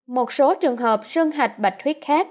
một số trường hợp sân hạch bạch huyết khác